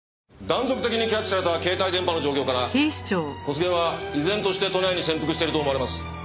断続的にキャッチされた携帯電波の状況から小菅は依然として都内に潜伏していると思われます。